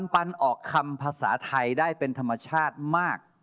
ปันออกคำภาษาไทยได้เป็นธรรมชาติมาก